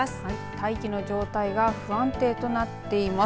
大気の状態が不安定となっています。